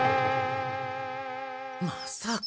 まさか。